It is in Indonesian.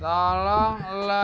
tolong lu cariin bajai